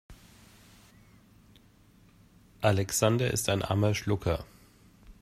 Alexander ist ein armer Schlucker.